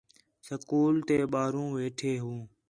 سکول تے ٻاہروں ویٹھے ہو